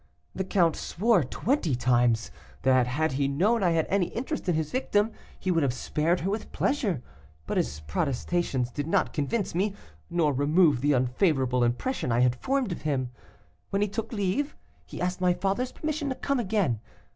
The count swore twenty times, that had he known I had any interest in his victim, he would have spared her with pleasure; but his protestations did not convince me, nor remove the unfavorable impression I had formed of him. When he took leave, he asked my father's permission to come again.